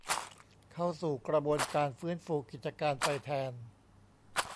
เข้าสู่กระบวนการฟื้นฟูกิจการไปแทน